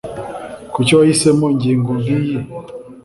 Kuki wahisemo ingingo nkiyi?